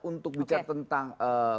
untuk bicara tentang